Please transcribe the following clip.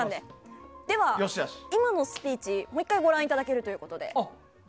では、今のスピーチもう１回ご覧いただけると。